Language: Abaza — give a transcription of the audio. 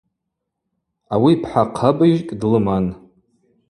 Ауи пхӏа хъабыжькӏ длыман.